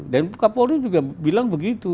dan kapolri juga bilang begitu